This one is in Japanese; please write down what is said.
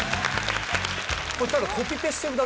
これただ。